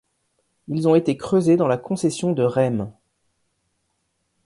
Ils ont été creusés dans la concession de Raismes.